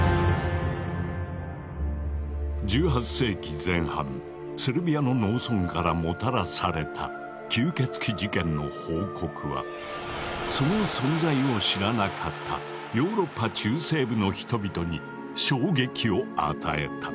１８世紀前半セルビアの農村からもたらされた吸血鬼事件の報告はその存在を知らなかったヨーロッパ中西部の人々に衝撃を与えた。